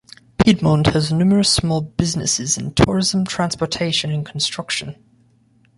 Piedmont has numerous small businesses in tourism, transportation, and construction.